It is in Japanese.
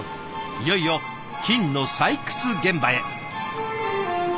いよいよ金の採掘現場へ。